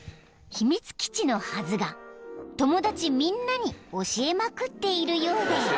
［秘密基地のはずが友達みんなに教えまくっているようで］